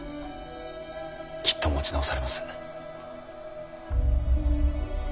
きっと持ち直されます。